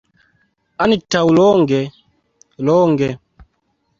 Antaŭ longe, longe.